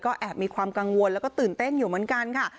แอบมีความกังวลแล้วก็ตื่นเต้นอยู่เหมือนกันค่ะ